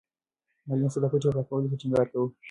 معلم صاحب د پټي په پاکوالي ټینګار کاوه.